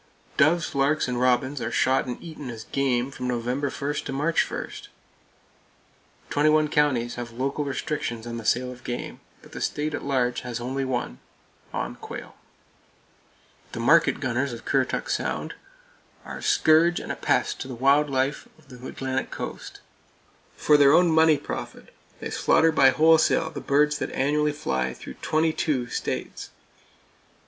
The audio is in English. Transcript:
Doves, larks and robins are shot and eaten as "game" from November 1 to March 1! Twenty one counties have local restrictions on the sale of game, but the state at large has only one,—on quail. The market gunners of Currituck Sound are a scourge and a pest to the wild fowl life of the Atlantic Coast. For their own money profit, they slaughter by wholesale the birds that annually fly through twenty two states.